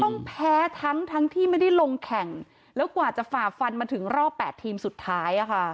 ต้องแพ้ทั้งทั้งที่ไม่ได้ลงแข่งแล้วกว่าจะฝ่าฟันมาถึงรอบ๘ทีมสุดท้าย